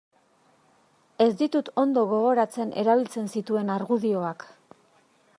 Ez ditut ondo gogoratzen erabiltzen zituen argudioak.